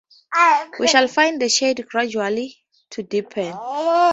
We shall find the shades gradually to deepen.